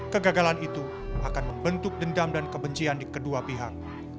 kegagalan itu akan membentuk dendam dan kebencian di kedua pihak